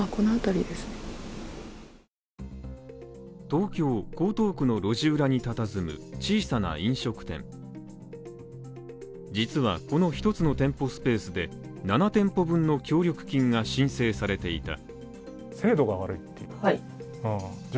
東京江東区の路地裏に佇む小さな飲食店実はこの一つの店舗スペースで７店舗分の協力金が申請されていた。